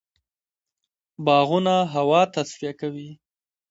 باغونه هوا تصفیه کوي.